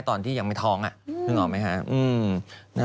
ตอนที่ยังไม่ท้องน่ะเพิ่งออกไหมคะ